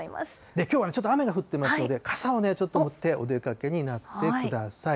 きょうはちょっと雨が降ってますので、傘をちょっと持ってお出かけになってください。